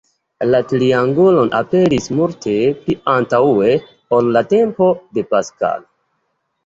La triangulon aperis multe pli antaŭe ol la tempo de Pascal.